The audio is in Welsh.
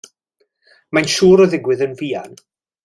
Mae'n siŵr o ddigwydd yn fuan.